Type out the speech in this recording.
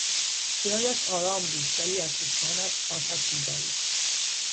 صدایش آرام بود ولی از چشمانش آتش میبارید.